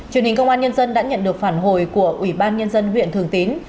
truyền hình công an nhân dân đã nhận được phản hồi của ủy ban nhân dân huyện thường tín